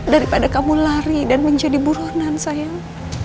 daripada kamu lari dan menjadi buronan sayang